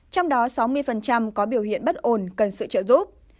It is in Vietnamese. trong đó sáu mươi có biểu hiện bất ổn cần sự trợ giúp